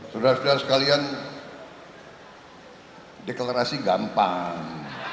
sudah sudah sekalian deklarasi gampang